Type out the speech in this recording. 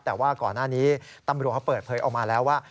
แต่ว่าก่อนหน้านี้ตำรวจเขาเปิดเผยออกมาแล้วว่า